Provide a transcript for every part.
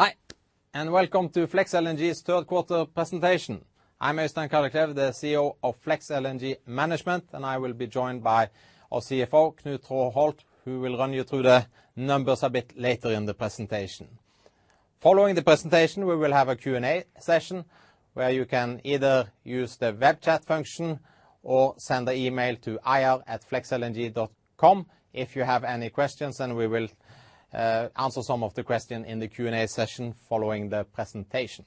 Hi, welcome to Flex LNG's third quarter presentation. I'm Øystein Kalleklev, the CEO of Flex LNG Management, and I will be joined by our CFO, Knut Traaholt, who will run you through the numbers a bit later in the presentation. Following the presentation, we will have a Q&A session where you can either use the web chat function or send an email to ir@flexlng.com if you have any questions, and we will answer some of the questions in the Q&A session following the presentation.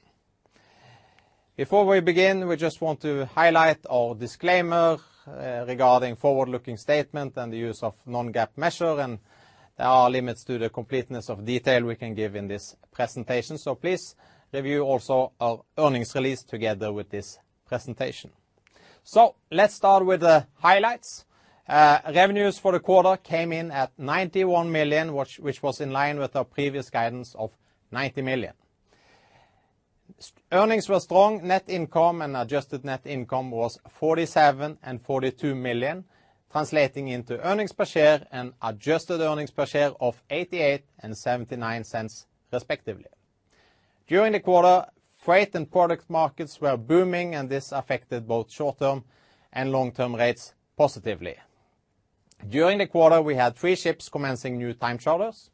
Before we begin, we just want to highlight our disclaimer regarding forward-looking statement and the use of non-GAAP measure, and there are limits to the completeness of detail we can give in this presentation. Please review also our earnings release together with this presentation. Let's start with the highlights. Revenues for the quarter came in at $91 million, which was in line with our previous guidance of $90 million. Earnings were strong. Net income and adjusted net income was $47 million and $42 million, translating into earnings per share and adjusted earnings per share of $0.88 and $0.79 respectively. During the quarter, freight and product markets were booming, and this affected both short-term and long-term rates positively. During the quarter, we had three ships commencing new time charters.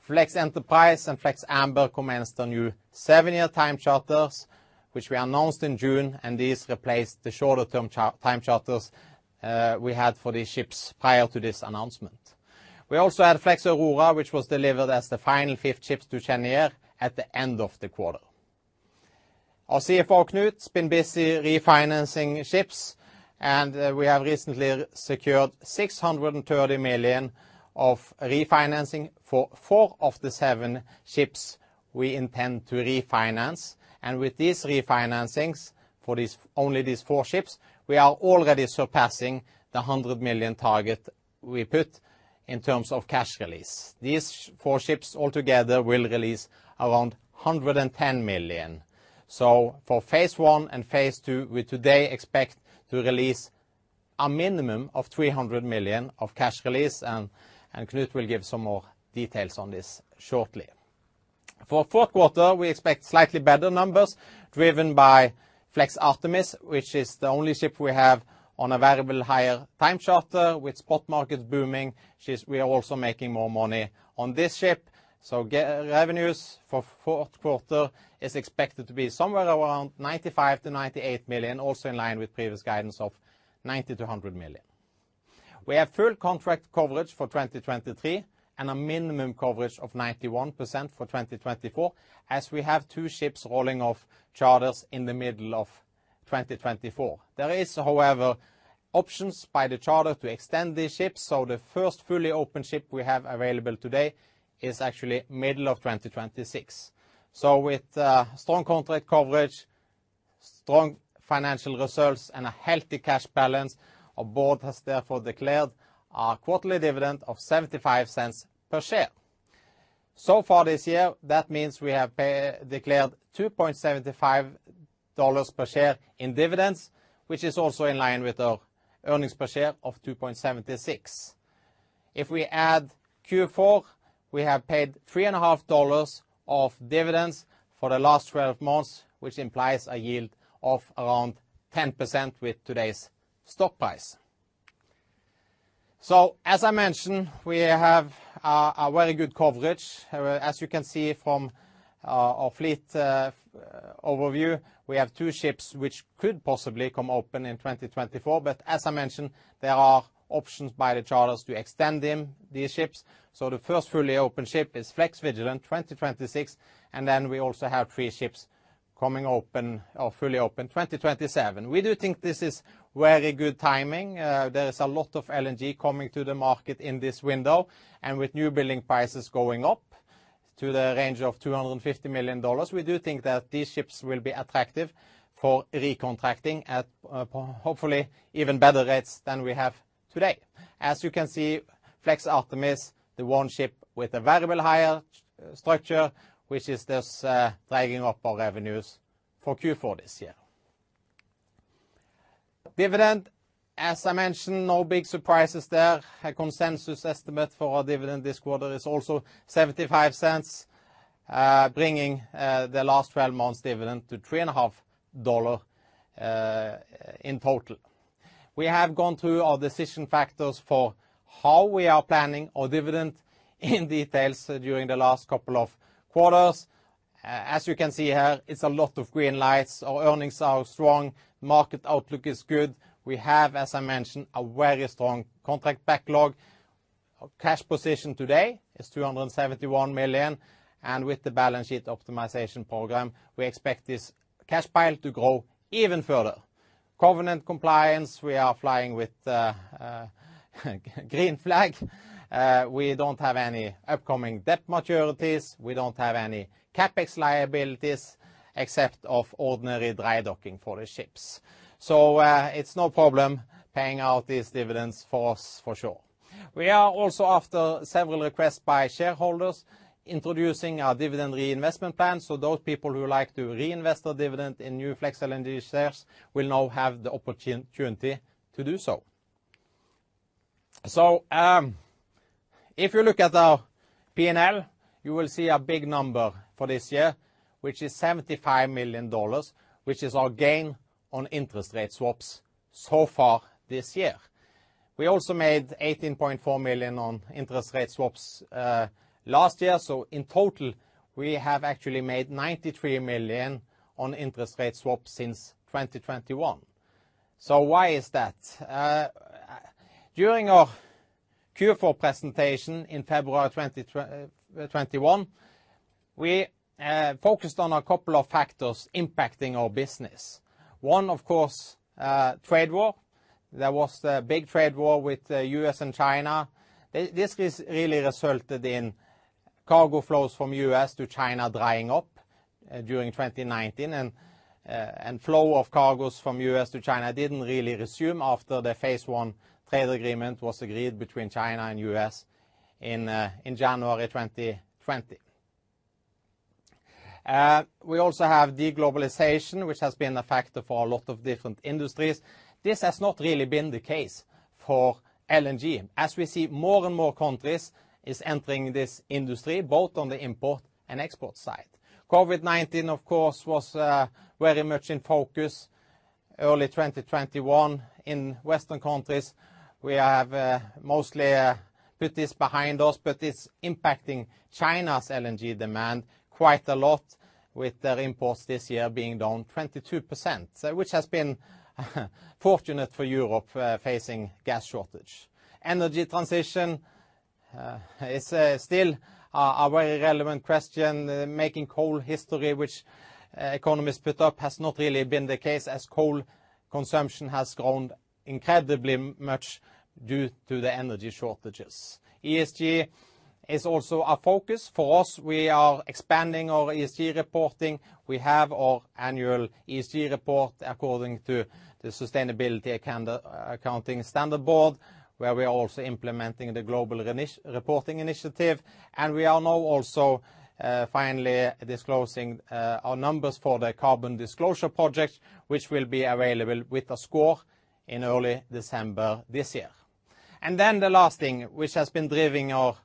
Flex Enterprise and Flex Amber commenced on new seven-year time charters, which we announced in June, and these replaced the shorter-term time charters we had for these ships prior to this announcement. We also had Flex Aurora, which was delivered as the final fifth ship to Cheniere at the end of the quarter. Our CFO, Knut, has been busy refinancing ships, and we have recently secured $630 million of refinancing for four of the seven ships we intend to refinance. With these refinancings for these, only these four ships, we are already surpassing the $100 million target we put in terms of cash release. These four ships altogether will release around $110 million. For phase one and phase two, we today expect to release a minimum of $300 million of cash release and Knut will give some more details on this shortly. For fourth quarter, we expect slightly better numbers driven by Flex Artemis, which is the only ship we have on a variable higher time charter. With spot markets booming, we are also making more money on this ship. GAAP revenues for fourth quarter is expected to be somewhere around $95 million-$98 million, also in line with previous guidance of $90 million-$100 million. We have full contract coverage for 2023 and a minimum coverage of 91% for 2024, as we have two ships rolling off charters in the middle of 2024. There is, however, options by the charter to extend these ships, so the first fully open ship we have available today is actually middle of 2026. With strong contract coverage, strong financial results, and a healthy cash balance, our board has therefore declared a quarterly dividend of $0.75 per share. So far this year, that means we have declared $2.75 per share in dividends, which is also in line with our earnings per share of $2.76. If we add Q4, we have paid $3.5 of dividends for the last 12 months, which implies a yield of around 10% with today's stock price. As I mentioned, we have a very good coverage. As you can see from our fleet overview, we have two ships which could possibly come open in 2024, but as I mentioned, there are options by the charters to extend them, these ships. The first fully open ship is Flex Vigilant, 2026, and then we also have three ships coming open or fully open in 2027. We do think this is very good timing. There is a lot of LNG coming to the market in this window, and with newbuilding prices going up to the range of $250 million, we do think that these ships will be attractive for recontracting at, hopefully even better rates than we have today. As you can see, Flex Artemis, the one ship with a variable hire structure, which is just dragging up our revenues for Q4 this year. Dividend, as I mentioned, no big surprises there. A consensus estimate for our dividend this quarter is also $0.75, bringing the last 12 months dividend to $3.50 in total. We have gone through our decision factors for how we are planning our dividend in detail during the last couple of quarters. As you can see here, it's a lot of green lights. Our earnings are strong. Market outlook is good. We have, as I mentioned, a very strong contract backlog. Our cash position today is $271 million, and with the balance sheet optimization program, we expect this cash pile to grow even further. Covenant compliance, we are flying with a green flag. We don't have any upcoming debt maturities. We don't have any CapEx liabilities, except for ordinary dry docking for the ships. It's no problem paying out these dividends for us, for sure. We are also, after several requests by shareholders, introducing our dividend reinvestment plan, so those people who like to reinvest their dividend in new Flex LNG shares will now have the opportunity to do so. If you look at our P&L, you will see a big number for this year, which is $75 million, which is our gain on interest rate swaps so far this year. We also made $18.4 million on interest rate swaps last year. In total, we have actually made $93 million on interest rate swaps since 2021. Why is that? During our Q4 presentation in February 2021, we focused on a couple of factors impacting our business. One, of course, trade war. There was the big trade war with the U.S. and China. This is really resulted in cargo flows from U.S. to China drying up during 2019 and flow of cargos from U.S. to China didn't really resume after the phase one trade agreement was agreed between China and U.S. in January 2020. We also have de-globalization, which has been a factor for a lot of different industries. This has not really been the case for LNG. As we see, more and more countries is entering this industry, both on the import and export side. COVID-19, of course, was very much in focus early 2021 in Western countries. We have mostly put this behind us, but it's impacting China's LNG demand quite a lot with their imports this year being down 22%, which has been fortunate for Europe facing gas shortage. Energy transition is still a very relevant question. Making coal history, which economists point out has not really been the case as coal consumption has grown incredibly much due to the energy shortages. ESG is also a focus for us. We are expanding our ESG reporting. We have our annual ESG report according to the Sustainability Accounting Standards Board, where we are also implementing the Global Reporting Initiative. We are now also finally disclosing our numbers for the Carbon Disclosure Project, which will be available with a score in early December this year. The last thing which has been driving our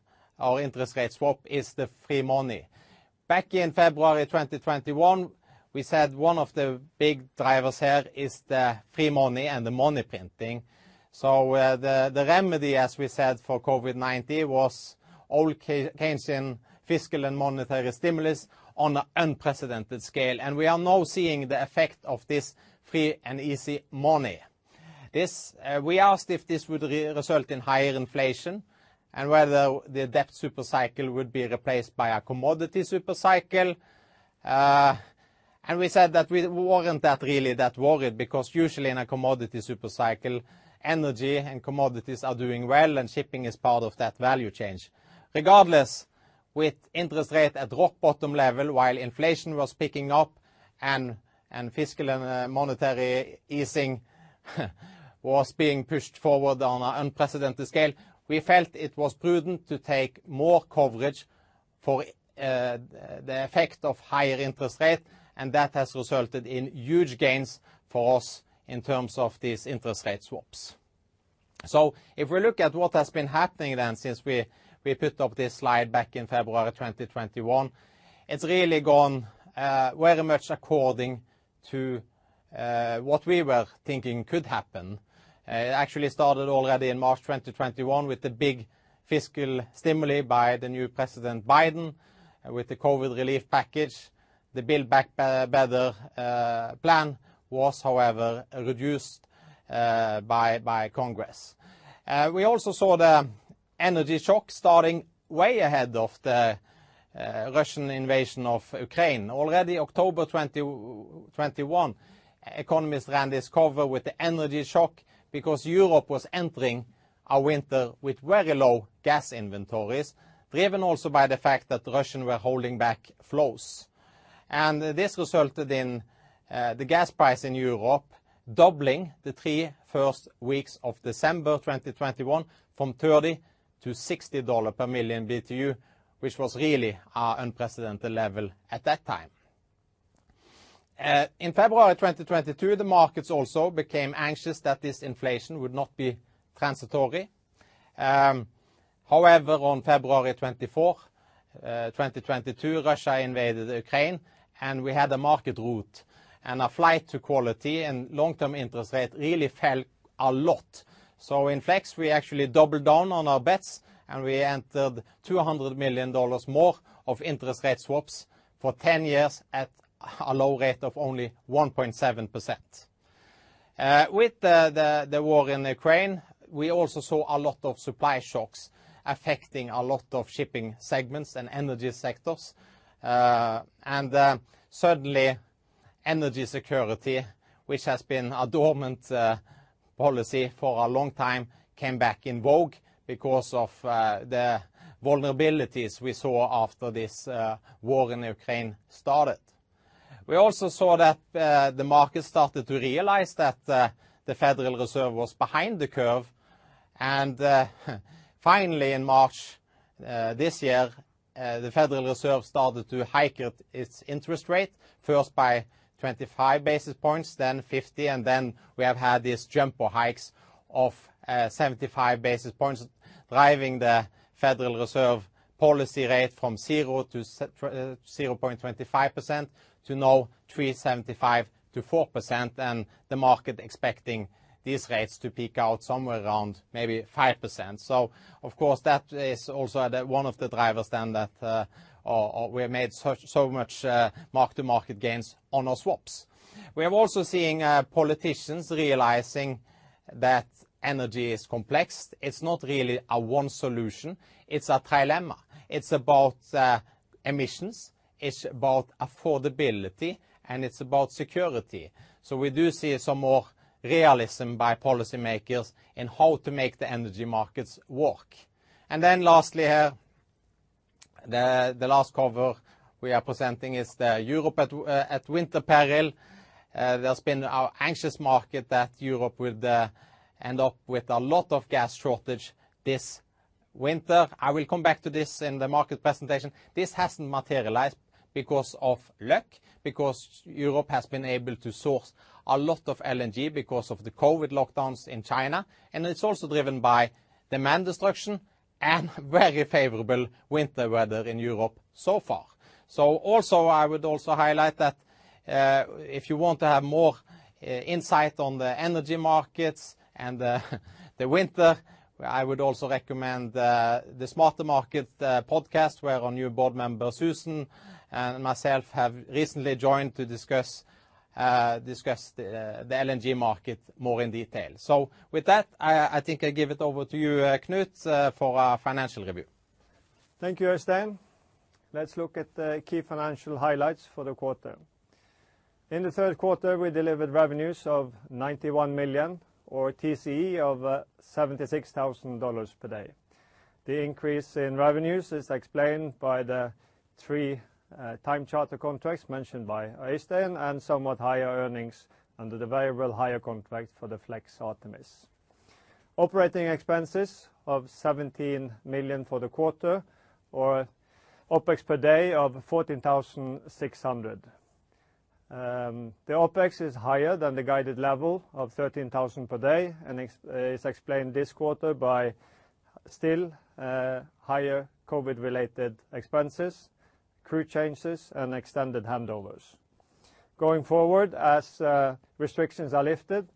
interest rate swap is the free money. Back in February 2021, we said one of the big drivers here is the free money and the money printing. The remedy, as we said, for COVID-19 was all Keynesian fiscal and monetary stimulus on an unprecedented scale. We are now seeing the effect of this free and easy money. We asked if this would result in higher inflation and whether the debt super cycle would be replaced by a commodity super cycle. We said that we weren't really that worried because usually in a commodity super cycle, energy and commodities are doing well, and shipping is part of that value chain. Regardless, with interest rate at rock bottom level while inflation was picking up and fiscal and monetary easing was being pushed forward on an unprecedented scale, we felt it was prudent to take more coverage for the effect of higher interest rate, and that has resulted in huge gains for us in terms of these interest rate swaps. If we look at what has been happening then since we put up this slide back in February 2021, it's really gone very much according to what we were thinking could happen. It actually started already in March 2021 with the big fiscal stimuli by the new President Biden with the COVID relief package. The Build Back Better plan was, however, reduced by Congress. We also saw the energy shock starting way ahead of the Russian invasion of Ukraine. Already October 2021, The Economist ran this cover with the energy shock because Europe was entering a winter with very low gas inventories, driven also by the fact that the Russians were holding back flows. This resulted in the gas price in Europe doubling in the first three weeks of December 2021 from $30-$60 per million BTU, which was really an unprecedented level at that time. In February 2022, the markets also became anxious that this inflation would not be transitory. However, on February 24th, 2022, Russia invaded Ukraine, and we had a market rout and a flight to quality and long-term interest rates really fell a lot. In Flex LNG, we actually doubled down on our bets, and we entered $200 million more of interest rate swaps for 10 years at a low rate of only 1.7%. With the war in Ukraine, we also saw a lot of supply shocks affecting a lot of shipping segments and energy sectors. Suddenly, energy security, which has been a dormant policy for a long time, came back in vogue because of the vulnerabilities we saw after this war in Ukraine started. We also saw that the market started to realize that the Federal Reserve was behind the curve. Finally, in March this year, the Federal Reserve started to hike its interest rate, first by 25 basis points, then 50, and then we have had these jumbo hikes of 75 basis points, driving the Federal Reserve policy rate from 0% to 0.25% to now 3.75%-4%, and the market expecting these rates to peak out somewhere around maybe 5%. Of course, that is also one of the drivers then that we have made so much mark-to-market gains on our swaps. We are also seeing politicians realizing that energy is complex. It's not really a one solution, it's a trilemma. It's about emissions, it's about affordability, and it's about security. We do see some more realism by policymakers in how to make the energy markets work. Then lastly here, the last cover we are presenting is the European winter peril. There's been an anxious market that Europe would end up with a lot of gas shortage this winter. I will come back to this in the market presentation. This hasn't materialized because of luck, because Europe has been able to source a lot of LNG because of the COVID lockdowns in China. It's also driven by demand destruction and very favorable winter weather in Europe so far. I would highlight that if you want to have more insight on the energy markets and the winter, I would recommend the SmarterMarkets podcast, where our new board member, Susan, and myself have recently joined to discuss the LNG market more in detail. With that, I think I give it over to you, Knut, for our financial review. Thank you, Øystein. Let's look at the key financial highlights for the quarter. In the third quarter, we delivered revenues of $91 million, or TCE of $76,000 per day. The increase in revenues is explained by the three time charter contracts mentioned by Øystein, and somewhat higher earnings under the variable hire contract for the Flex Artemis. Operating expenses of $17 million for the quarter, or OpEx per day of $14,600. The OpEx is higher than the guided level of $13,000 per day, and is explained this quarter by still higher COVID-related expenses, crew changes, and extended handovers. Going forward, as restrictions are lifted,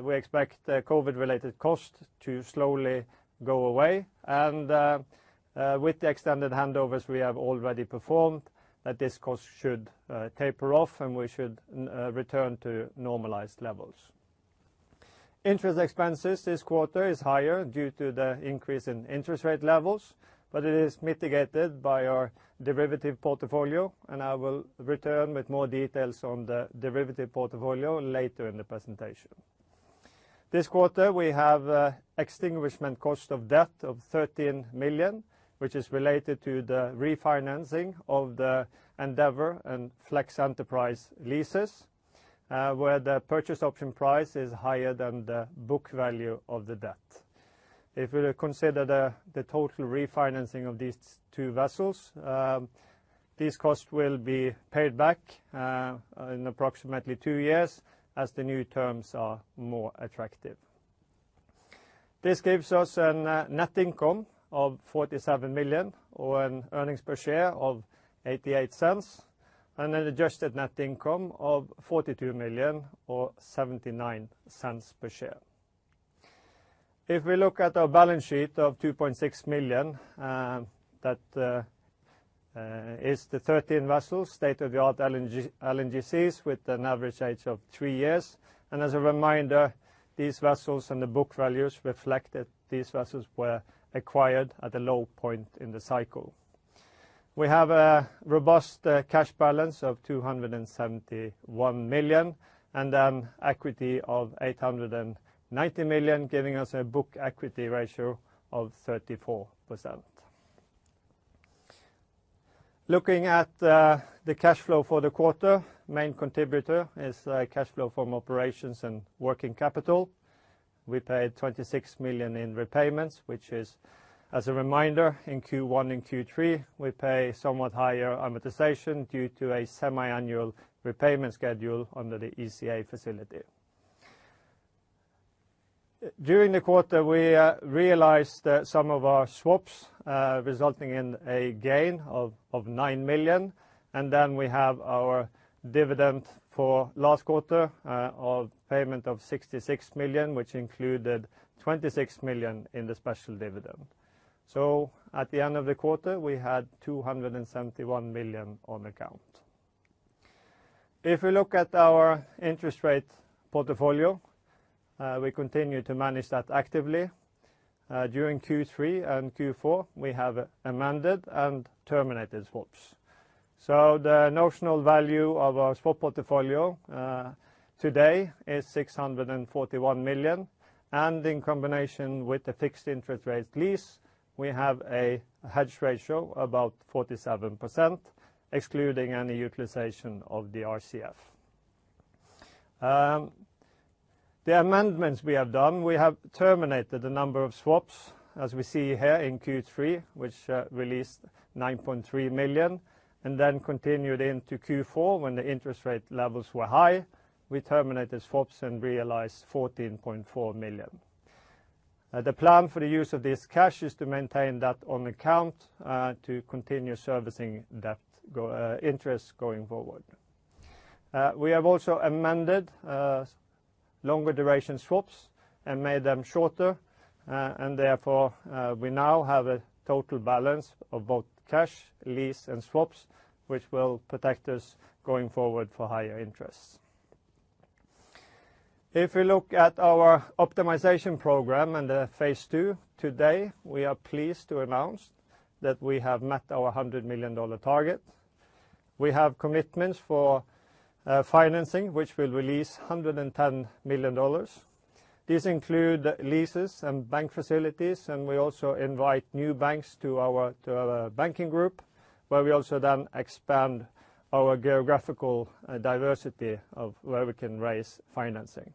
we expect the COVID-related cost to slowly go away. With the extended handovers we have already performed, that this cost should taper off and we should return to normalized levels. Interest expenses this quarter is higher due to the increase in interest rate levels, but it is mitigated by our derivative portfolio, and I will return with more details on the derivative portfolio later in the presentation. This quarter, we have extinguishment cost of debt of $13 million, which is related to the refinancing of the Flex Endeavour and Flex Enterprise leases, where the purchase option price is higher than the book value of the debt. If we consider the total refinancing of these two vessels, this cost will be paid back in approximately two years as the new terms are more attractive. This gives us an net income of $47 million or an earnings per share of $0.88, and an adjusted net income of $42 million or $0.79 per share. If we look at our balance sheet of $2.6 billion, that is the 13 vessels, state-of-the-art LNG LNGCs with an average age of three years. As a reminder, these vessels and the book values reflect that these vessels were acquired at a low point in the cycle. We have a robust cash balance of $271 million and an equity of $890 million, giving us a book equity ratio of 34%. Looking at the cash flow for the quarter, main contributor is cash flow from operations and working capital. We paid $26 million in repayments, which is, as a reminder, in Q1 and Q3, we pay somewhat higher amortization due to a semi-annual repayment schedule under the ECA facility. During the quarter, we realized some of our swaps, resulting in a gain of $9 million. We have our dividend for last quarter of payment of $66 million, which included $26 million in the special dividend. At the end of the quarter, we had $271 million on account. If we look at our interest rate portfolio, we continue to manage that actively. During Q3 and Q4, we have amended and terminated swaps. The notional value of our swap portfolio today is $641 million, and in combination with the fixed interest rate lease, we have a hedge ratio about 47%, excluding any utilization of the RCF. The amendments we have done, we have terminated a number of swaps, as we see here in Q3, which released $9.3 million, and then continued into Q4 when the interest rate levels were high. We terminated swaps and realized $14.4 million. The plan for the use of this cash is to maintain that on account, to continue servicing that ongoing interest going forward. We have also amended longer duration swaps and made them shorter. Therefore, we now have a total balance of both cash, lease, and swaps, which will protect us going forward for higher interests. If we look at our optimization program and the phase two, today, we are pleased to announce that we have met our $100 million target. We have commitments for financing, which will release $110 million. These include leases and bank facilities, and we also invite new banks to our banking group, where we also then expand our geographical diversity of where we can raise financing.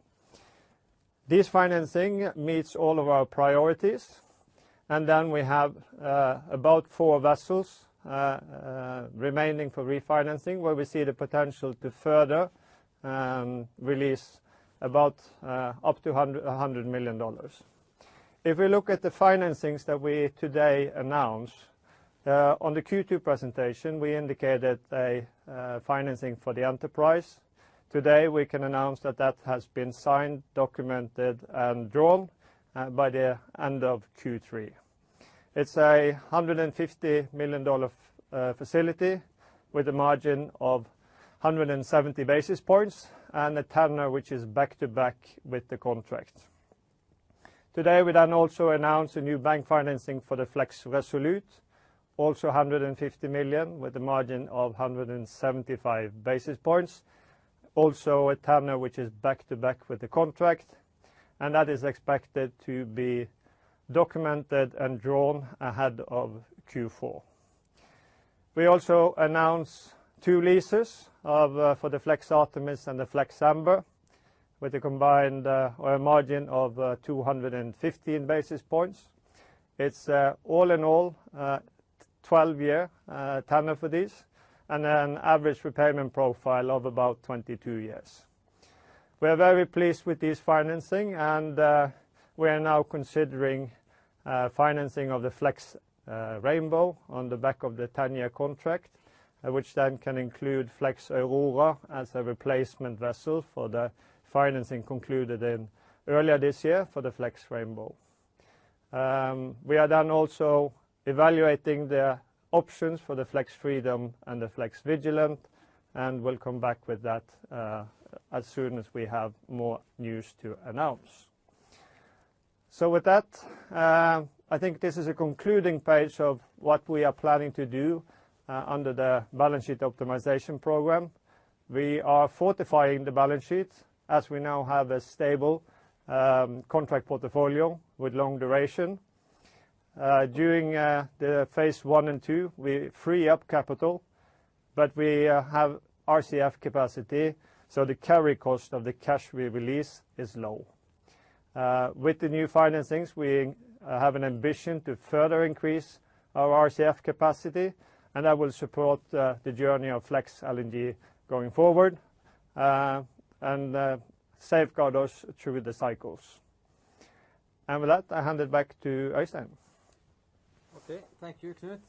This financing meets all of our priorities. We have about four vessels remaining for refinancing, where we see the potential to further release about up to $100 million. If we look at the financings that we today announce, on the Q2 presentation, we indicated a financing for the Enterprise. Today, we can announce that that has been signed, documented, and drawn by the end of Q3. It's a $150 million facility with a margin of 170 basis points and a tenor which is back-to-back with the contract. Today, we then also announce a new bank financing for the Flex Resolute, also $150 million with a margin of 175 basis points. Also a tenor which is back-to-back with the contract. That is expected to be documented and drawn ahead of Q4. We also announce two leases for the Flex Artemis and the Flex Amber with a combined margin of 215 basis points. It's all in all a 12-year tenor for this, and an average repayment profile of about 22 years. We are very pleased with this financing, and we are now considering financing of the Flex Rainbow on the back of the 10-year contract, which then can include Flex Aurora as a replacement vessel for the financing concluded earlier this year for the Flex Rainbow. We are then also evaluating the options for the Flex Freedom and the Flex Vigilant, and we'll come back with that as soon as we have more news to announce. With that, I think this is a concluding page of what we are planning to do under the balance sheet optimization program. We are fortifying the balance sheet as we now have a stable contract portfolio with long duration. During the phase one and two, we free up capital, but we have RCF capacity, so the carry cost of the cash we release is low. With the new financings, we have an ambition to further increase our RCF capacity, and that will support the journey of Flex LNG going forward, and safeguard us through the cycles. With that, I hand it back to Øystein. Okay. Thank you, Knut.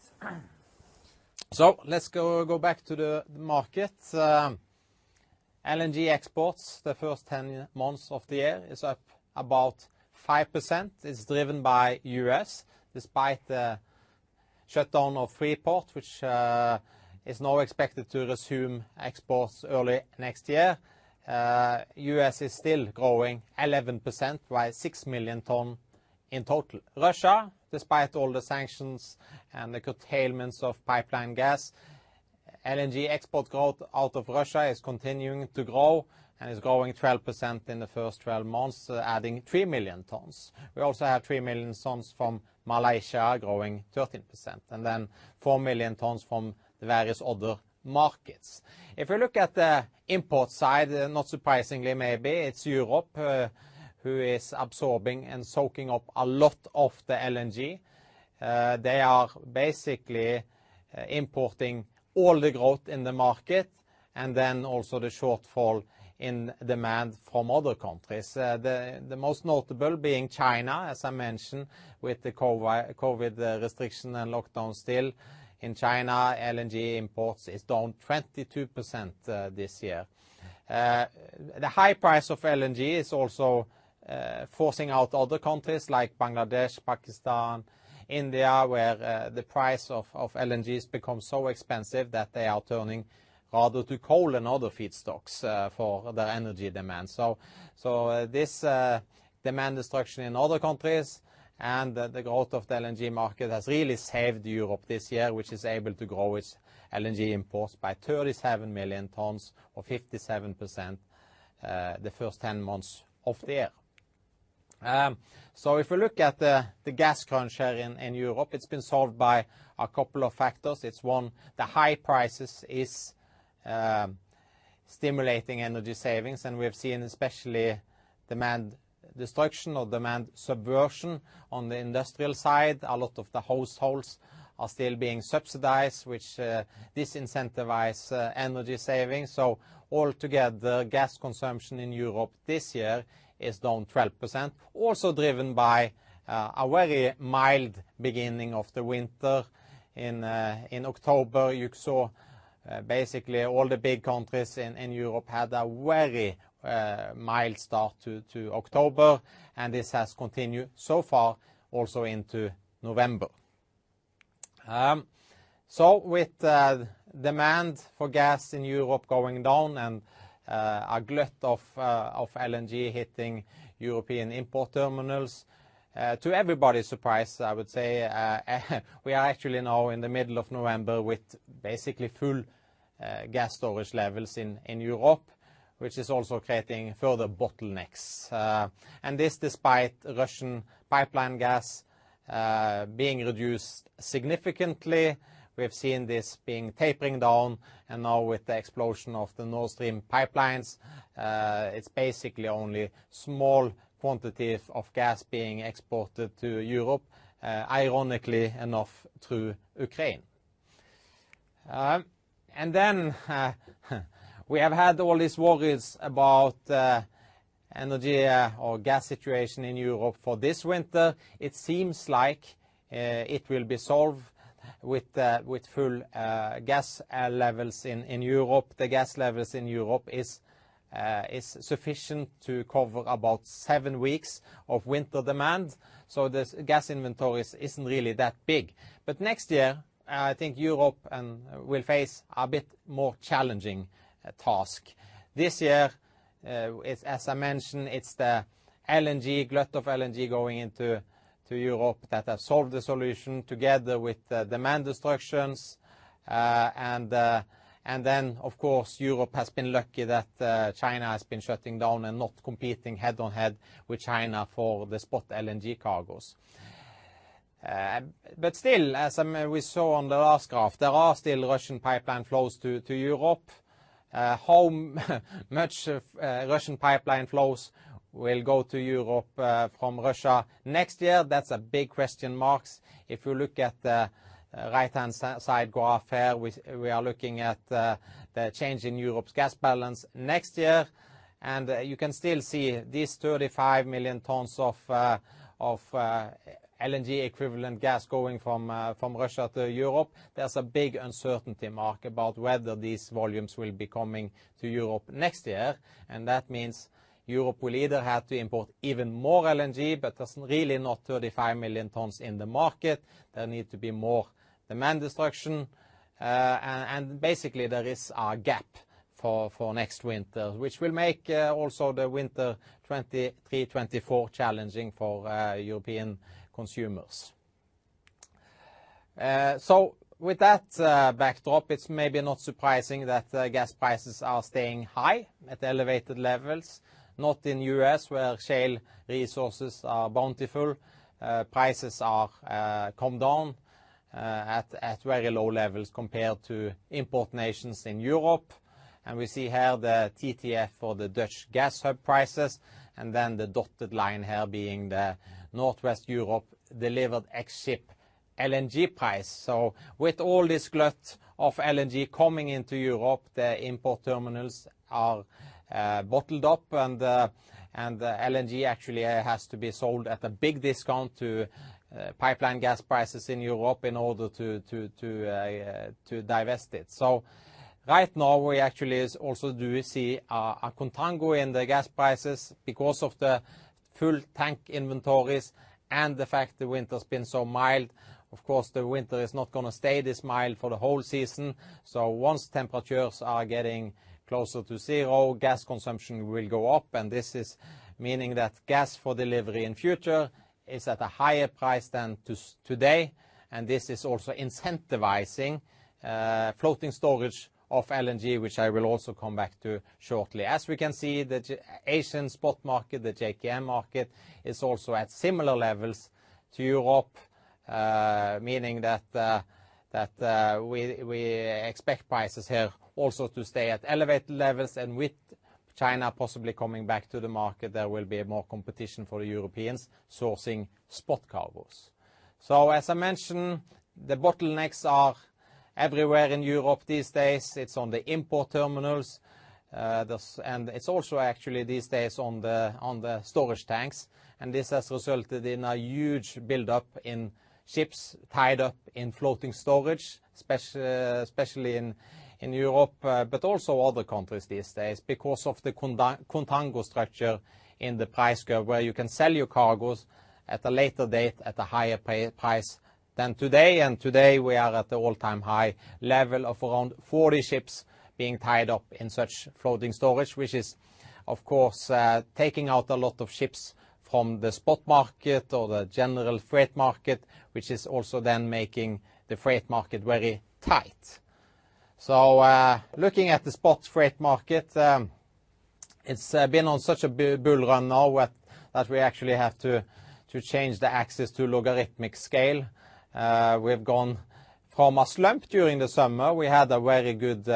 Let's go back to the markets. LNG exports, the first 10 months of the year is up about 5%. It's driven by U.S. despite the shutdown of Freeport LNG, which is now expected to resume exports early next year. U.S. is still growing 11% by 6 million tons in total. Russia, despite all the sanctions and the curtailments of pipeline gas, LNG export growth out of Russia is continuing to grow and is growing 12% in the first 12 months, adding 3 million tons. We also have 3 million tons from Malaysia growing 13%, and then 4 million tons from the various other markets. If we look at the import side, not surprisingly maybe, it's Europe who is absorbing and soaking up a lot of the LNG. They are basically importing all the growth in the market and then also the shortfall in demand from other countries. The most notable being China, as I mentioned, with the COVID restriction and lockdown still. In China, LNG imports is down 22% this year. The high price of LNG is also forcing out other countries like Bangladesh, Pakistan, India, where the price of LNG has become so expensive that they are turning rather to coal and other feedstocks for their energy demand. This demand destruction in other countries and the growth of the LNG market has really saved Europe this year, which is able to grow its LNG imports by 37 million tons or 57%, the first 10 months of the year. If you look at the gas crunch here in Europe, it's been solved by a couple of factors. One, the high prices is stimulating energy savings, and we've seen especially demand destruction or demand subversion on the industrial side. A lot of the households are still being subsidized, which disincentivize energy savings. Altogether, gas consumption in Europe this year is down 12%, also driven by a very mild beginning of the winter in October. You saw basically all the big countries in Europe had a very mild start to October, and this has continued so far also into November. With the demand for gas in Europe going down and a glut of LNG hitting European import terminals, to everybody's surprise, I would say, we are actually now in the middle of November with basically full gas storage levels in Europe, which is also creating further bottlenecks. This despite Russian pipeline gas being reduced significantly. We have seen this being tapering down, and now with the explosion of the Nord Stream pipelines, it's basically only small quantities of gas being exported to Europe, ironically enough, through Ukraine. We have had all these worries about energy or gas situation in Europe for this winter. It seems like it will be solved with full gas levels in Europe. The gas levels in Europe is sufficient to cover about seven weeks of winter demand, so the gas inventory isn't really that big. Next year, I think Europe will face a bit more challenging task. This year, it's, as I mentioned, it's the LNG glut of LNG going into Europe that have solved the solution together with the demand destructions. Of course Europe has been lucky that China has been shutting down and not competing head-on-head with China for the spot LNG cargos. Still, as we saw on the last graph, there are still Russian pipeline flows to Europe. How much Russian pipeline flows will go to Europe from Russia next year, that's a big question mark. If you look at the right-hand side graph here, we are looking at the change in Europe's gas balance next year, and you can still see these 35 million tons of LNG equivalent gas going from Russia to Europe. There's a big uncertainty mark about whether these volumes will be coming to Europe next year, and that means Europe will either have to import even more LNG, but there's really not 35 million tons in the market. There need to be more demand destruction. Basically there is a gap for next winter, which will make also the winter 2023-2024 challenging for European consumers. With that backdrop, it's maybe not surprising that the gas prices are staying high at elevated levels. Not in U.S., where shale resources are bountiful. Prices are come down at very low levels compared to importing nations in Europe. We see here the TTF for the Dutch gas hub prices, and then the dotted line here being the Northwest Europe delivered ex ship LNG price. With all this glut of LNG coming into Europe, the import terminals are bottled up, and the LNG actually has to be sold at a big discount to pipeline gas prices in Europe in order to divest it. Right now we actually is also do see a contango in the gas prices because of the full tank inventories and the fact the winter's been so mild. Of course, the winter is not gonna stay this mild for the whole season, so once temperatures are getting closer to zero, gas consumption will go up, and this is meaning that gas for delivery in future is at a higher price than today, and this is also incentivizing floating storage of LNG, which I will also come back to shortly. As we can see, the Asian spot market, the JKM market, is also at similar levels to Europe, meaning that we expect prices here also to stay at elevated levels, and with China possibly coming back to the market, there will be more competition for Europeans sourcing spot cargos. As I mentioned, the bottlenecks are everywhere in Europe these days. It's on the import terminals, and it's also actually these days on the storage tanks, and this has resulted in a huge buildup in ships tied up in floating storage, especially in Europe, but also other countries these days because of the contango structure in the price curve, where you can sell your cargos at a later date at a higher price than today. Today we are at the all-time high level of around 40 ships being tied up in such floating storage, which is, of course, taking out a lot of ships from the spot market or the general freight market, which is also then making the freight market very tight. Looking at the spot freight market, it's been on such a bull run now with that we actually have to change the axis to logarithmic scale. We have gone from a slump during the summer. We had a very good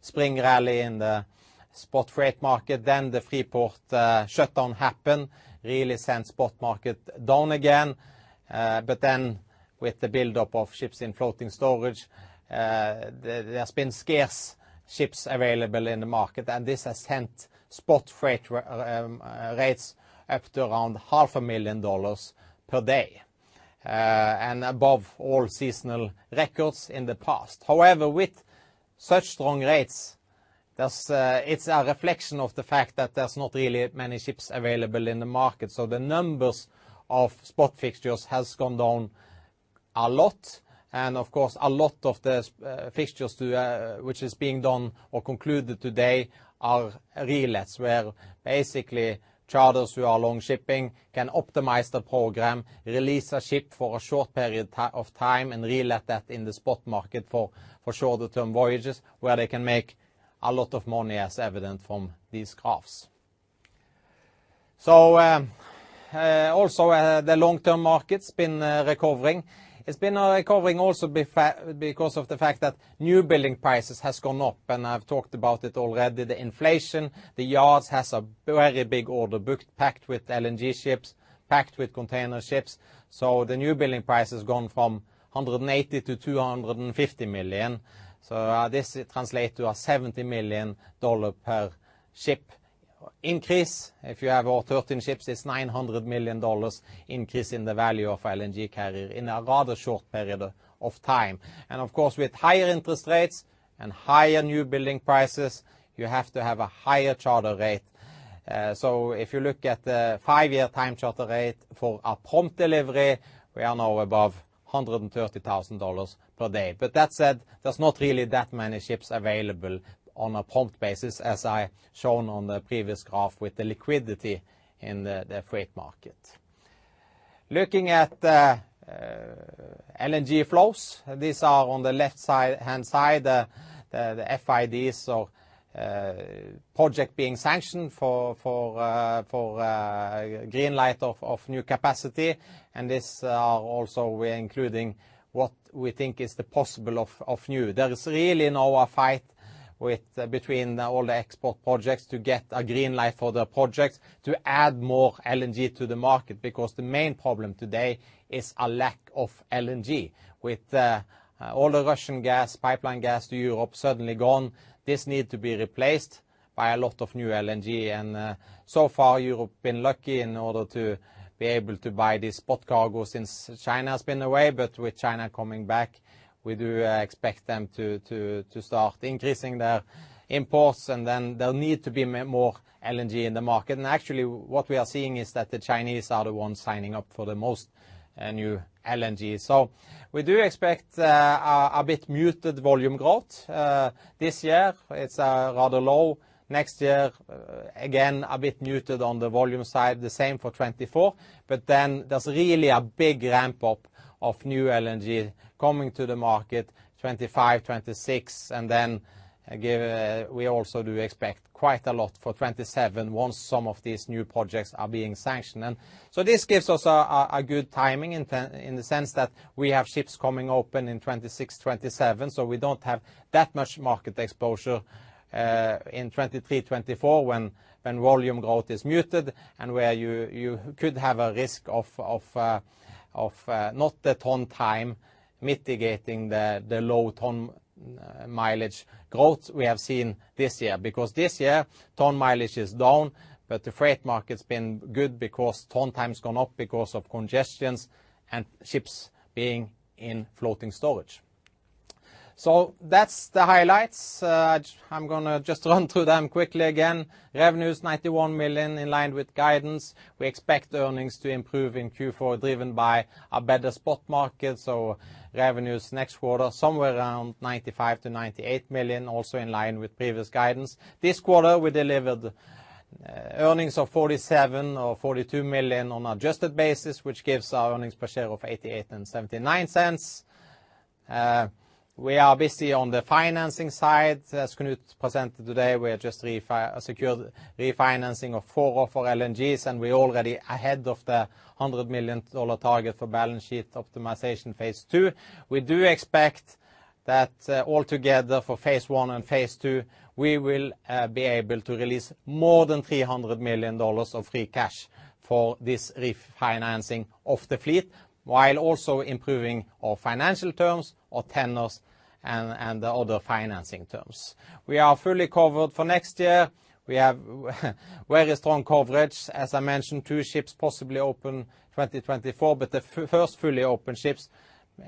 spring rally in the spot freight market. Then the Freeport shutdown happened, really sent spot market down again. With the buildup of ships in floating storage, there's been scarce ships available in the market, and this has sent spot freight rates up to around $500,000 per day, and above all seasonal records in the past. However, with such strong rates, there's. It's a reflection of the fact that there's not really many ships available in the market, so the numbers of spot fixtures has gone down a lot. Of course, a lot of the fixtures which are being done or concluded today are relets where basically charters who are long shipping can optimize the program, release a ship for a short period of time, and relet that in the spot market for shorter-term voyages where they can make a lot of money, as evident from these graphs. The long-term market's been recovering. It's been recovering also because of the fact that newbuilding prices has gone up, and I've talked about it already. The inflation, the yards has a very big order booked, packed with LNG ships, packed with container ships. The newbuilding price has gone from $180 million to $250 million. This translate to a $70 million per ship increase. If you have all 13 ships, it's $900 million increase in the value of LNG carrier in a rather short period of time. Of course, with higher interest rates and higher newbuilding prices, you have to have a higher charter rate. If you look at the five-year time charter rate for a prompt delivery, we are now above $130,000 per day. That said, there's not really that many ships available on a prompt basis, as I shown on the previous graph with the liquidity in the freight market. Looking at LNG flows, these are on the left-hand side. The FIDs of projects being sanctioned for green light of new capacity, and these are also we're including what we think is the possible of new. There is really now a fight between all the export projects to get a green light for the projects to add more LNG to the market because the main problem today is a lack of LNG. With all the Russian gas, pipeline gas to Europe suddenly gone, this needs to be replaced by a lot of new LNG. So far Europe has been lucky in order to be able to buy these spot cargos since China has been away. With China coming back, we do expect them to start increasing their imports, and then there'll need to be more LNG in the market. Actually, what we are seeing is that the Chinese are the ones signing up for the most new LNG. We do expect a bit muted volume growth. This year it's rather low. Next year, again, a bit muted on the volume side. The same for 2024, but then there's really a big ramp-up of new LNG coming to the market 2025, 2026. We also do expect quite a lot for 2027 once some of these new projects are being sanctioned. This gives us a good timing in the sense that we have ships coming open in 2026, 2027, so we don't have that much market exposure in 2023, 2024 when volume growth is muted and where you could have a risk of not the ton-mileage mitigating the low ton-mileage growth we have seen this year. Because this year, ton-mileage is down, but the freight market's been good because ton-mileage's gone up because of congestion and ships being in floating storage. That's the highlights. I'm gonna just run through them quickly again. Revenue's $91 million, in line with guidance. We expect earnings to improve in Q4, driven by a better spot market, revenues next quarter somewhere around $95 million-$98 million, also in line with previous guidance. This quarter, we delivered earnings of $47 million or $42 million on adjusted basis, which gives our earnings per share of $0.88 and $0.79. We are busy on the financing side. As Knut presented today, we have just secured refinancing of four of our LNGs, and we are already ahead of the $100 million target for balance sheet optimization phase two. We do expect that altogether for phase one and phase two, we will be able to release more than $300 million of free cash for this refinancing of the fleet, while also improving our financial terms, our tenors, and the other financing terms. We are fully covered for next year. We have very strong coverage. As I mentioned, two ships possibly open 2024, but the first fully open ships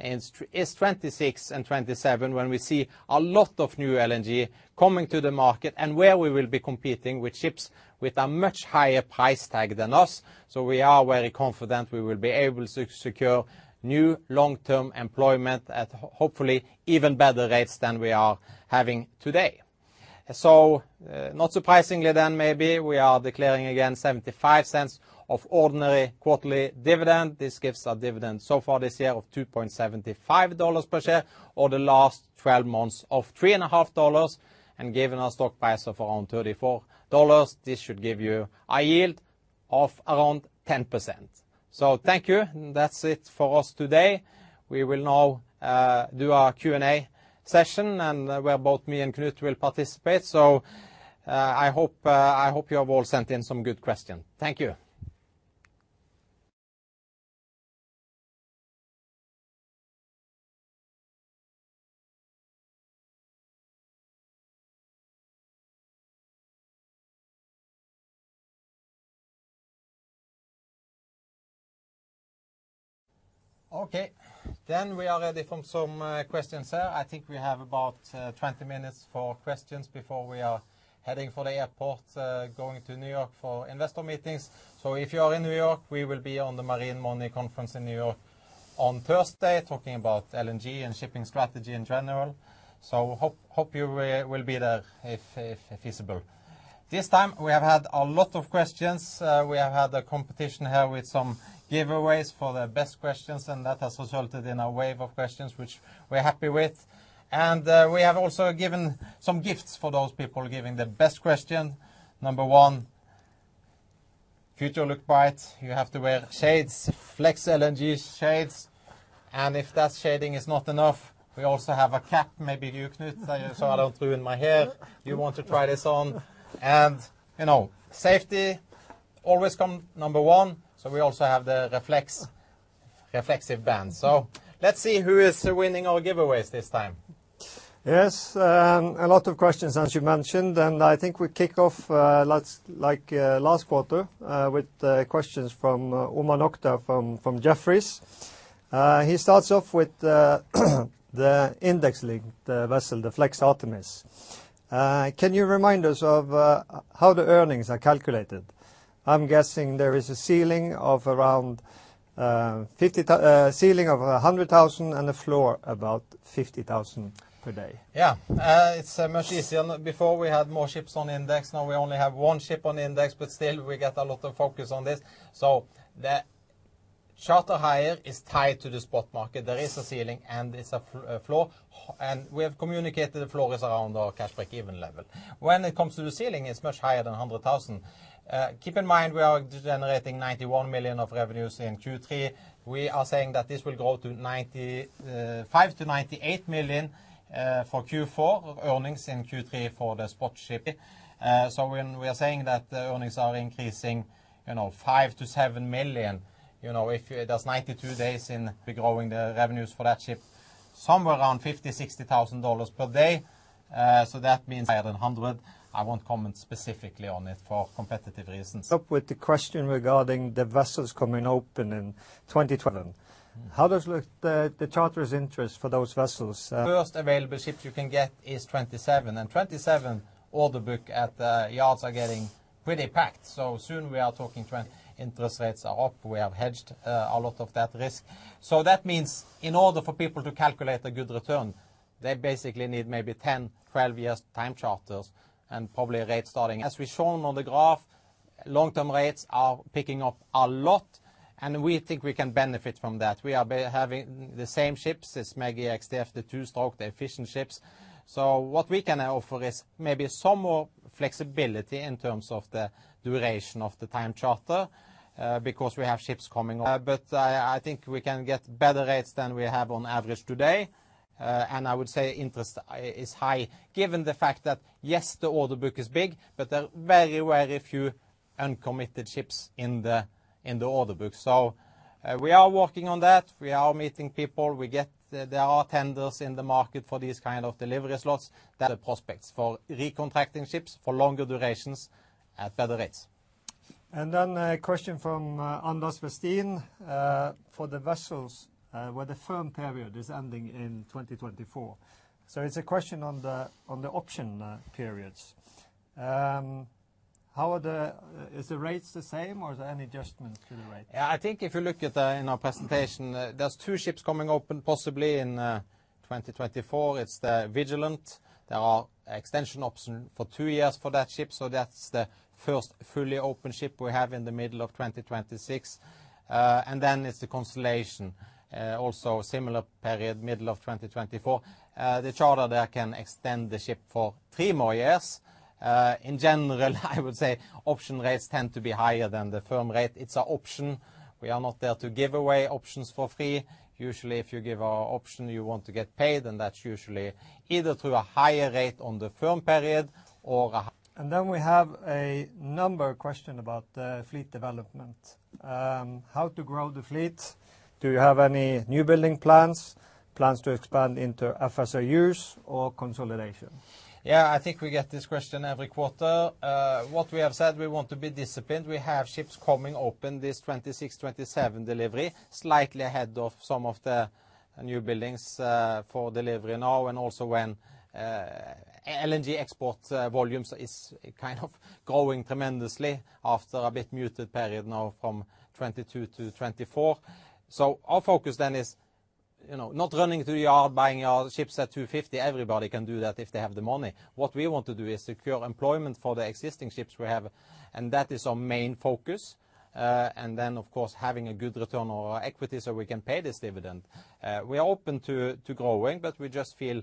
is 2026 and 2027 when we see a lot of new LNG coming to the market and where we will be competing with ships with a much higher price tag than us. We are very confident we will be able to secure new long-term employment at hopefully even better rates than we are having today. Not surprisingly then maybe, we are declaring again $0.75 ordinary quarterly dividend. This gives a dividend so far this year of $2.75 per share, or the last twelve months of $3.5, and given our stock price of around $34, this should give you a yield of around 10%. Thank you. That's it for us today. We will now do our Q&A session and where both me and Knut will participate. I hope you have all sent in some good questions. Thank you. Okay. We are ready for some questions here. I think we have about 20 minutes for questions before we are heading for the airport going to New York for investor meetings. If you are in New York, we will be on the Marine Money conference in New York on Thursday talking about LNG and shipping strategy in general. Hope you will be there if feasible. This time we have had a lot of questions. We have had a competition here with some giveaways for the best questions, and that has resulted in a wave of questions which we're happy with. We have also given some gifts for those people giving the best question. Number one, future look bright. You have to wear shades. Flex LNG shades. If that shade is not enough, we also have a cap. Maybe you, Knut, so I don't ruin my hair. You want to try this on? You know, safety always come number one. We also have the reflective band. Let's see who is winning our giveaways this time. Yes, a lot of questions as you mentioned, and I think we kick off, let's like last quarter, with questions from Omar Nokta from Jefferies. He starts off with the index-linked vessel, the Flex Artemis. Can you remind us of how the earnings are calculated? I'm guessing there is a ceiling of around $100,000 and a floor about $50,000 per day. Yeah. It's much easier. Before we had more ships on index. Now we only have one ship on index, but still we get a lot of focus on this. The charter hire is tied to the spot market. There is a ceiling and there's a floor. We have communicated the floor is around our cash break-even level. When it comes to the ceiling, it's much higher than $100,000. Keep in mind, we are generating $91 million of revenues in Q3. We are saying that this will grow to $95 million-$98 million for Q4 earnings in Q3 for the spot shipping. When we are saying that the earnings are increasing, you know, $5 million-$7 million, you know, if there's 92 days in growing the revenues for that ship, somewhere around $50,000-$60,000 per day. That means higher than 100. I won't comment specifically on it for competitive reasons. Up with the question regarding the vessels coming open in 2012. How does the charter's interest for those vessels look? First available ship you can get is 2027. 2027 order book at the yards are getting pretty packed. Interest rates are up. We have hedged a lot of that risk. That means in order for people to calculate a good return, they basically need maybe 10, 12 years time charters and probably a rate starting. As we've shown on the graph, long-term rates are picking up a lot, and we think we can benefit from that. We are having the same ships as ME-GI/X-DF, the two-stroke, the efficient ships. What we can offer is maybe some more flexibility in terms of the duration of the time charter, because we have ships coming. I think we can get better rates than we have on average today. I would say interest is high given the fact that, yes, the order book is big, but there are very, very few uncommitted ships in the order book. We are working on that. We are meeting people. There are tenders in the market for these kind of delivery slots. The prospects for recontracting ships for longer durations at better rates. A question from Anders Redigh Karlsen. For the vessels where the firm period is ending in 2024. It's a question on the option periods. Is the rates the same or is there any adjustment to the rate? Yeah. I think if you look at the, in our presentation, there are two ships coming open possibly in 2024. It's the Vigilant. There are extension option for two years for that ship. That's the first fully open ship we have in the middle of 2026. And then it's the Constellation. Also similar period, middle of 2024. The charter there can extend the ship for three more years. In general, I would say option rates tend to be higher than the firm rate. It's a option. We are not there to give away options for free. Usually, if you give a option, you want to get paid, and that's usually either through a higher rate on the firm period or a We have a number of questions about fleet development. How to grow the fleet. Do you have any new building plans? Plans to expand into FSRUs or consolidation? Yeah. I think we get this question every quarter. What we have said, we want to be disciplined. We have ships coming open this 2026, 2027 delivery, slightly ahead of some of the new buildings, for delivery now and also when LNG export volumes is kind of growing tremendously after a bit muted period now from 2022 to 2024. Our focus then is. You know, not running to the yard, buying all the ships at $250. Everybody can do that if they have the money. What we want to do is secure employment for the existing ships we have, and that is our main focus. And then of course, having a good return on our equity so we can pay this dividend. We are open to growing, but we just feel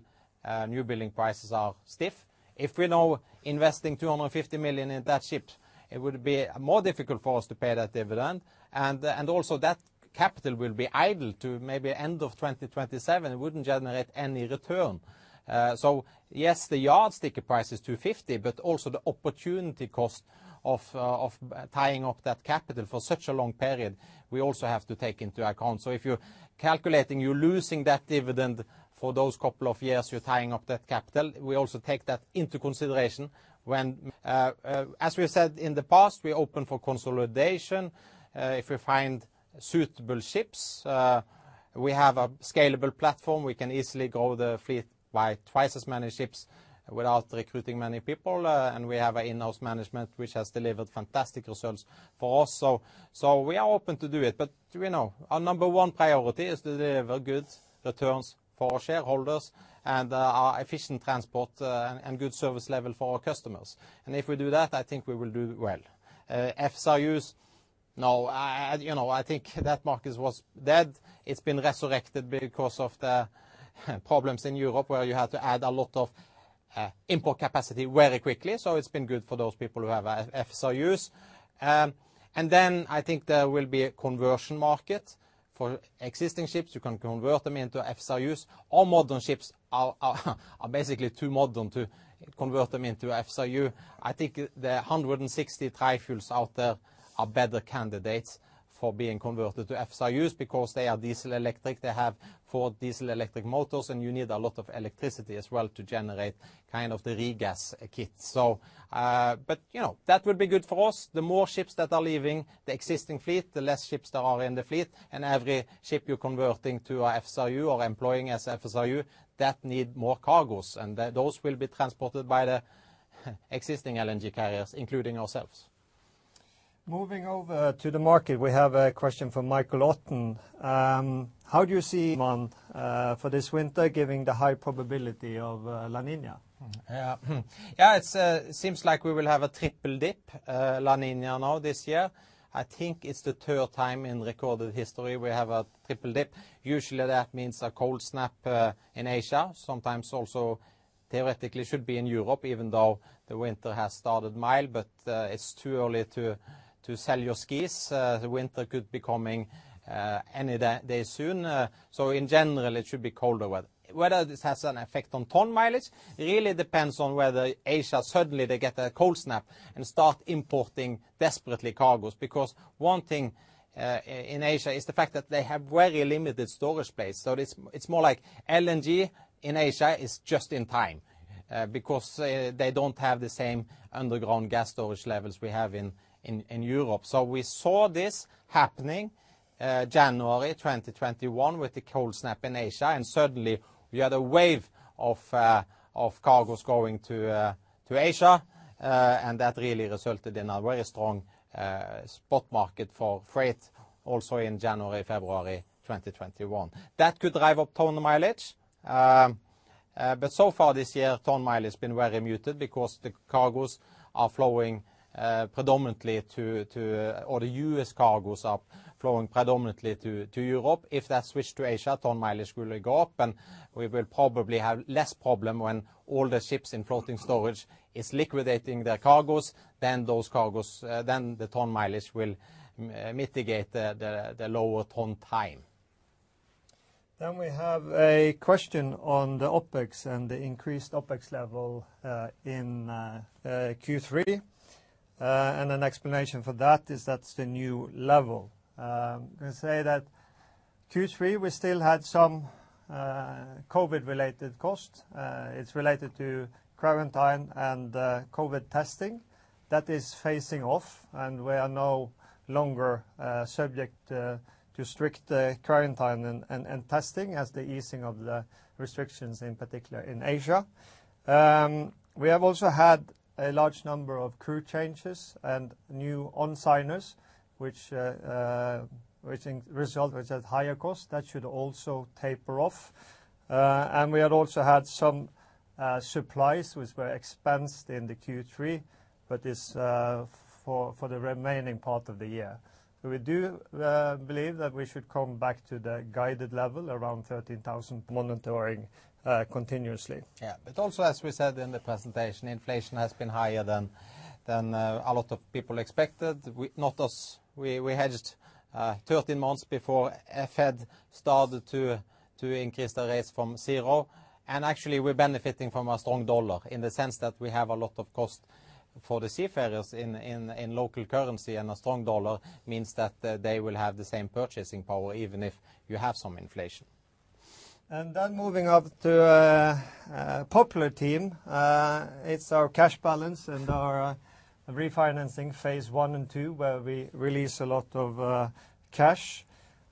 new building prices are stiff. If we now investing $250 million in that ship, it would be more difficult for us to pay that dividend, and also that capital will be idle to maybe end of 2027. It wouldn't generate any return. Yes, the yard sticker price is $250 million, but also the opportunity cost of tying up that capital for such a long period, we also have to take into account. If you're calculating, you're losing that dividend for those couple of years you're tying up that capital. We also take that into consideration when, as we have said in the past, we're open for consolidation. If we find suitable ships, we have a scalable platform. We can easily grow the fleet by twice as many ships without recruiting many people, and we have an in-house management which has delivered fantastic results for us. We are open to do it, but you know, our number one priority is to deliver good returns for our shareholders and, our efficient transport, and good service level for our customers. If we do that, I think we will do well. FSRUs, now, you know, I think that market was dead. It's been resurrected because of the problems in Europe where you had to add a lot of import capacity very quickly. It's been good for those people who have FSRUs. Then I think there will be a conversion market for existing ships. You can convert them into FSRUs. All modern ships are basically too modern to convert them into FSRU. I think the 160 TFDE out there are better candidates for being converted to FSRUs because they are diesel-electric. They have four diesel-electric motors, and you need a lot of electricity as well to generate kind of the regas kit. But you know, that would be good for us. The more ships that are leaving the existing fleet, the less ships there are in the fleet. Every ship you're converting to a FSRU or employing as FSRU, that need more cargoes, and those will be transported by the existing LNG carriers, including ourselves. Moving over to the market, we have a question from Michael Otten. How do you see the market for this winter given the high probability of La Niña? It seems like we will have a triple dip La Niña now this year. I think it's the third time in recorded history we have a triple dip. Usually that means a cold snap in Asia, sometimes also theoretically should be in Europe, even though the winter has started mild. It's too early to sell your skis. The winter could be coming any day soon. In general, it should be colder weather. Whether this has an effect on ton-mileage, it really depends on whether Asia suddenly they get a cold snap and start importing desperately cargoes. Because one thing in Asia is the fact that they have very limited storage space. It's more like LNG in Asia is just in time, because they don't have the same underground gas storage levels we have in Europe. We saw this happening January 2021 with the cold snap in Asia, and suddenly we had a wave of cargoes going to Asia. That really resulted in a very strong spot market for freight also in January, February 2021. That could drive up ton-mileage. But so far this year, ton-mileage has been very muted because the U.S. cargoes are flowing predominantly to Europe. If that switched to Asia, ton-mileage will go up, and we will probably have less problem when all the ships in floating storage is liquidating their cargoes. Those cargoes, then the ton-mileage will mitigate the lower transit time. We have a question on the OpEx and the increased OpEx level in Q3. An explanation for that is that's the new level. In Q3, we still had some COVID-related costs. It's related to quarantine and COVID testing. That is phasing off, and we are no longer subject to strict quarantine and testing as the easing of the restrictions, in particular in Asia. We have also had a large number of crew changes and new on-signers which resulted in higher cost. That should also taper off. We also had some supplies which were expensed in Q3, but are for the remaining part of the year. We do believe that we should come back to the guided level around 13,000 monitoring continuously. Yeah. Also as we said in the presentation, inflation has been higher than a lot of people expected. Not us. We hedged 13 months before Fed started to increase the rates from zero. Actually, we're benefiting from a strong dollar in the sense that we have a lot of cost for the seafarers in local currency, and a strong dollar means that they will have the same purchasing power even if you have some inflation. Moving up to popular theme, it's our cash balance and our refinancing phase one and two, where we release a lot of cash.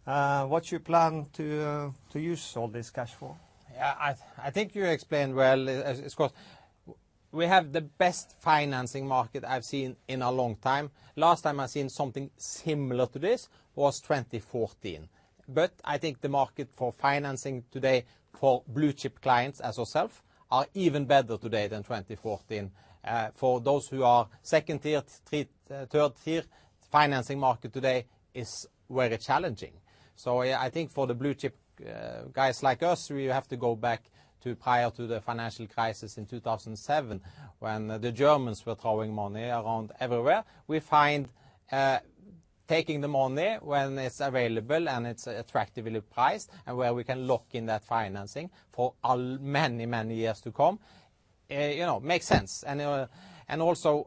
What you plan to use all this cash for? Yeah, I think you explained well, Scott. We have the best financing market I've seen in a long time. Last time I seen something similar to this was 2014. I think the market for financing today for blue chip clients as ourselves are even better today than 2014. For those who are second tier, third tier, financing market today is very challenging. I think for the blue chip guys like us, we have to go back to prior to the financial crisis in 2007 when the Germans were throwing money around everywhere. We find taking the money when it's available, and it's attractively priced, and where we can lock in that financing for many, many years to come, you know, makes sense.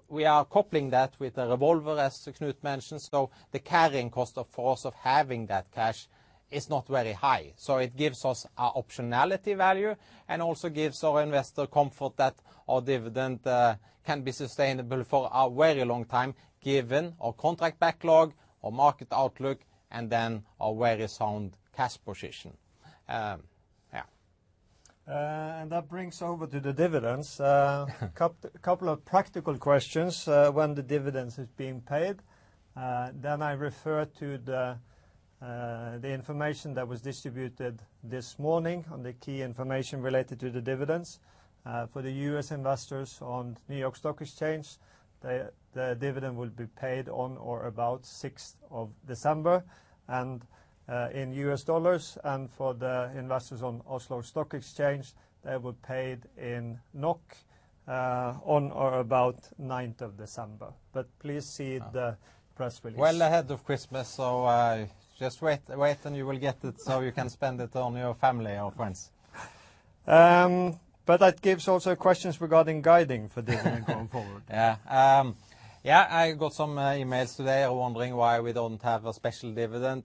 We are coupling that with a revolver, as Knut mentioned, so the carrying cost for us of having that cash is not very high. It gives us an optionality value and also gives our investor comfort that our dividend can be sustainable for a very long time given our contract backlog, our market outlook, and our very sound cash position. That brings over to the dividends. Couple of practical questions, when the dividends is being paid, then I refer to the information that was distributed this morning on the key information related to the dividends. For the U.S. investors on New York Stock Exchange, the dividend will be paid on or about 6th of December and in U.S. dollars. For the investors on Oslo Stock Exchange, they will pay it in NOK on or about 9th of December. Please see the press release. Well ahead of Christmas, just wait and you will get it so you can spend it on your family or friends. That gives also questions regarding guidance for dividend going forward. Yeah. Yeah, I got some emails today wondering why we don't have a special dividend.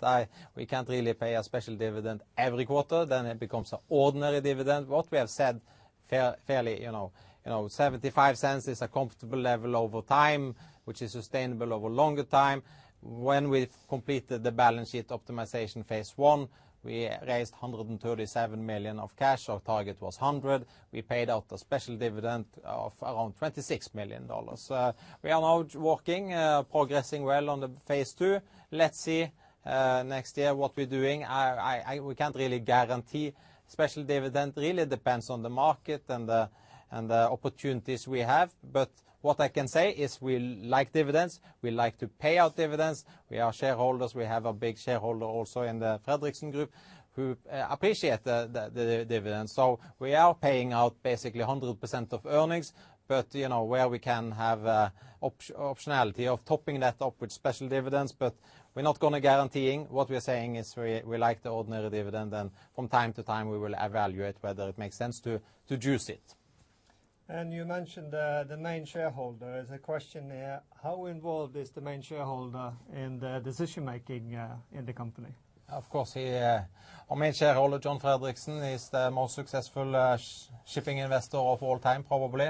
We can't really pay a special dividend every quarter, then it becomes an ordinary dividend. What we have said fairly, you know, $0.75 is a comfortable level over time, which is sustainable over longer time. When we completed the balance sheet optimization phase one, we raised $137 million of cash. Our target was 100. We paid out a special dividend of around $26 million. We are now working, progressing well on the phase two. Let's see, next year what we're doing. We can't really guarantee special dividend. Really it depends on the market and the opportunities we have. What I can say is we like dividends. We like to pay out dividends. We are shareholders. We have a big shareholder also in the Fredriksen Group who appreciate the dividend. We are paying out basically 100% of earnings, but you know where we can have optionality of topping that up with special dividends. We're not gonna guarantee. What we are saying is we like the ordinary dividend and from time to time we will evaluate whether it makes sense to juice it. You mentioned the main shareholder. There's a question here. How involved is the main shareholder in the decision-making in the company? Of course, he, our main shareholder, John Fredriksen, is the most successful shipping investor of all time probably.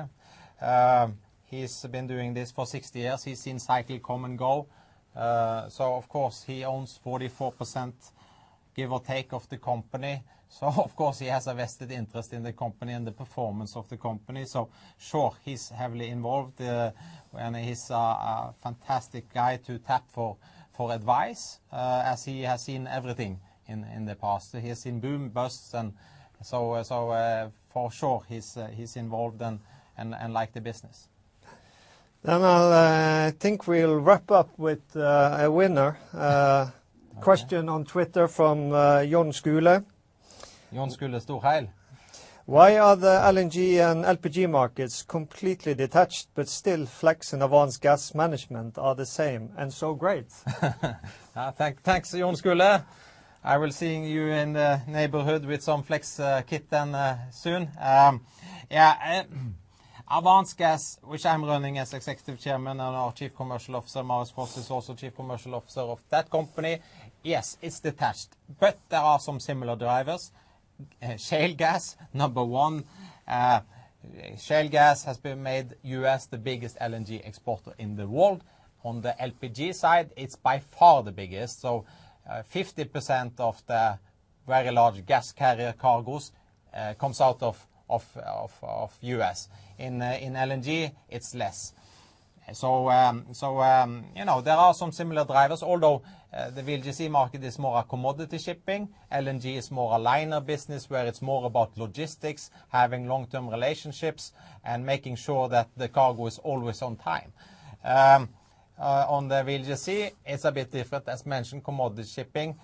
He's been doing this for 60 years. He's seen cycle come and go. Of course he owns 44%, give or take, of the company. Of course he has a vested interest in the company and the performance of the company. Sure, he's heavily involved. And he's a fantastic guy to tap for advice, as he has seen everything in the past. He has seen boom, busts, and for sure he's involved and like the business. I'll, I think we'll wrap up with a winner. Question on Twitter from Jon Skule. Jon Skule Storheill. Why are the LNG and LPG markets completely detached but still Flex and Avance Gas are the same and so great? Thanks, Jon Skule. I'll be seeing you in the neighborhood with some Flex kit and soon. Avance Gas, which I'm running as executive chairman and our chief commercial officer, Marius Foss is also chief commercial officer of that company. Yes, it's detached, but there are some similar drivers. Shale gas, number one. Shale gas has made the U.S. the biggest LNG exporter in the world. On the LPG side, it's by far the biggest. 50% of the very large gas carrier cargos comes out of U.S. In LNG it's less. You know, there are some similar drivers, although the VLGC market is more a commodity shipping. LNG is more a liner business where it's more about logistics, having long-term relationships and making sure that the cargo is always on time. On the VLGC it's a bit different. As mentioned, commodity shipping.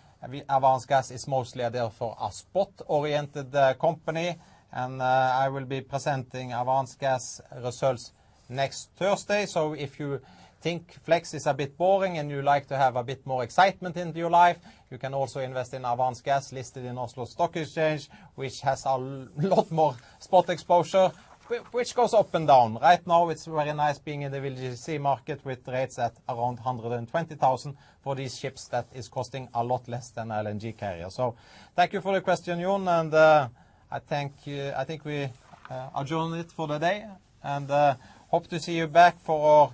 Avance Gas is mostly therefore a spot-oriented company and I will be presenting Avance Gas results next Thursday. If you think Flex is a bit boring and you like to have a bit more excitement into your life, you can also invest in Avance Gas listed in Oslo Stock Exchange, which has a lot more spot exposure, which goes up and down. Right now it's very nice being in the VLGC market with rates at around $120,000 for these ships that is costing a lot less than LNG carrier. Thank you for the question, Jon, and I thank you. I think we adjourn it for the day. Hope to see you back for our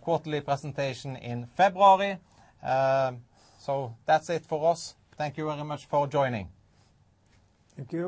quarterly presentation in February. That's it for us. Thank you very much for joining. Thank you.